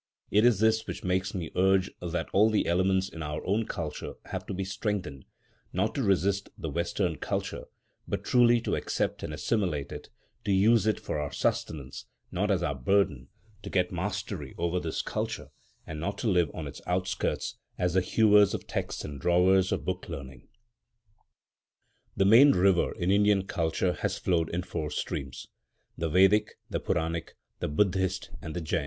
It is this which makes me urge that all the elements in our own culture have to be strengthened, not to resist the Western culture, but truly to accept and assimilate it; to use it for our sustenance, not as our burden; to get mastery over this culture, and not to live on its outskirts as the hewers of texts and drawers of book learning. The main river in Indian culture has flowed in four streams,—the Vedic, the Puranic, the Buddhist, and the Jain.